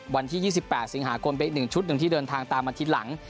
วันที่๒๘สิงหาคมเป็นอีกหนึ่งชุดหนึ่งที่เดินทางตามมาทีหลัง